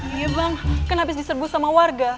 iya bang kan habis diserbu sama warga